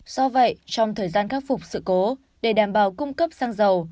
do vậy trong thời gian khắc phục sự cố để đảm bảo cung cấp sang giàu